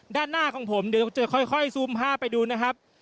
ด้านหน้าของผมเดี๋ยวจะค่อยซูมภาพไปดูนะครับ